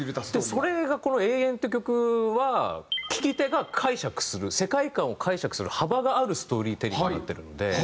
それがこの『永遠』って曲は聴き手が解釈する世界観を解釈する幅があるストーリーテリングになってるので。